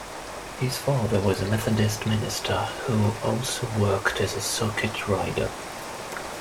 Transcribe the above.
His father was a Methodist minister who also worked as a circuit rider.